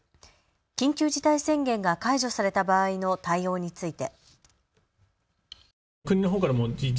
緊急事態宣言が解除された場合の対応について。